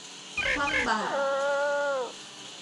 คว่ำบาตร